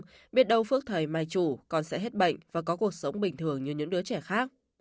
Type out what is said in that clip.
nhưng biết đâu phước thời mài chủ con sẽ hết bệnh và có cuộc sống bình thường như những đứa trẻ khác